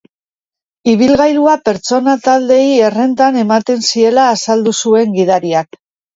Ibilgailua pertsona taldeei errentan ematen ziela azaldu zuen gidariak.